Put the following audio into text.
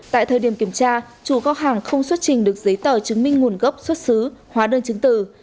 tại thời điểm kiểm tra chủ kho hàng không xuất trình được giấy tờ chứng minh nguồn gốc xuất xứ hóa đơn chứng từ